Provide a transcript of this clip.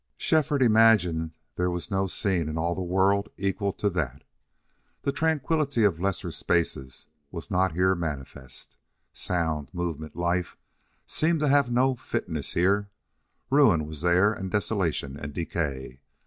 Shefford imagined there was no scene in all the world to equal that. The tranquillity of lesser spaces was not here manifest. Sound, movement, life, seemed to have no fitness here. Ruin was there and desolation and decay.